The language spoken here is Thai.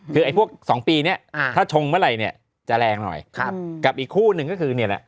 คือไอ้พวก๒ปีเนี่ยถ้าชงเมื่อไหร่เนี่ยจะแรงหน่อยกับอีกคู่หนึ่งก็คือเนี่ยแหละ